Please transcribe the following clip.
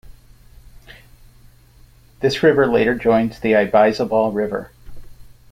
This river later joins the Ibaizabal river.